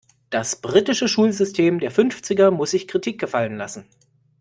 Das britische Schulsystem der Fünfziger muss sich Kritik gefallen lassen.